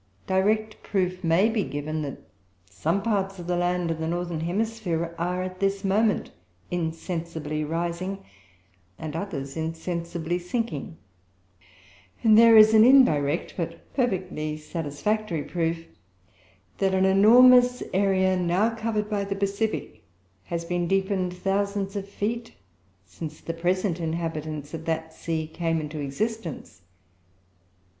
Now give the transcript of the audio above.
Direct proof may be given, that some parts of the land of the northern hemisphere are at this moment insensibly rising and others insensibly sinking; and there is indirect, but perfectly satisfactory, proof, that an enormous area now covered by the Pacific has been deepened thousands of feet, since the present inhabitants of that sea came into existence.